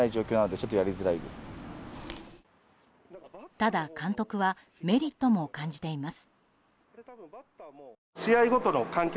ただ、監督はメリットも感じています。